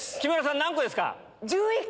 何個ですか？